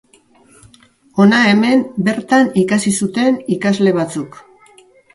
Hona hemen bertan ikasi zuten ikasle batzuk.